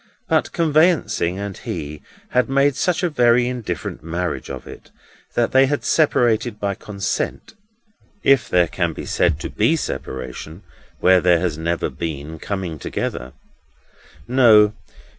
But Conveyancing and he had made such a very indifferent marriage of it that they had separated by consent—if there can be said to be separation where there has never been coming together. No.